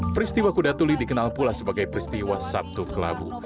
peristiwa kudatuli dikenal pula sebagai peristiwa sabtu kelabu